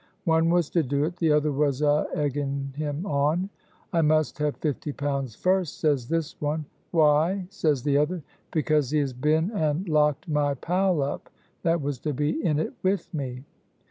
One was to do it, the other was a egging him on. 'I must have fifty pounds first,' says this one. 'Why?' says the other. 'Because he has been and locked my pal up that was to be in it with me.'"